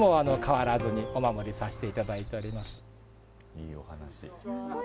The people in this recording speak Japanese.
いいお話。